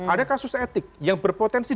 ada kasus etik yang berpotensi